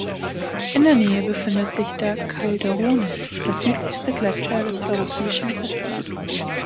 In der Nähe befindet sich der Calderone, der südlichste Gletscher des europäischen Festlands.